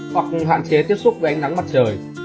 hoặc hạn chế tiếp xúc với ánh nắng mặt trời